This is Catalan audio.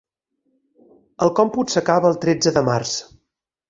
El còmput s'acaba el tretze de març.